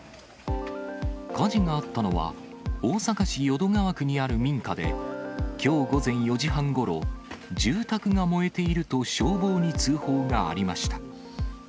火事があったのは、大阪市淀川区にある民家で、きょう午前４時半ごろ、住宅が燃えていると消防に通報がありました。